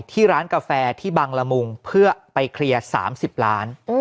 ที่ร้านกาแฟที่บังละมุงเพื่อไปเคลียร์๓๐ล้าน